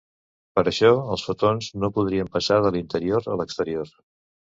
Per això els fotons no podrien passar de l'interior a l'exterior.